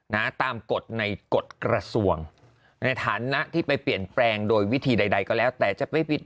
ในฐานะที่ไปเปลี่ยนแปลงโดยวิธีใดก็แล้วแต่จะไม่ปิด